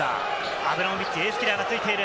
アブラモビッチ、エースキラーがついている。